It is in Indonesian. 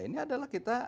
ini adalah kita